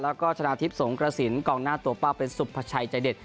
แล้วก็ชนะทิพย์สงกระสินกองหน้าตัวเป้าเป็นสุภาชัยใจเด็ด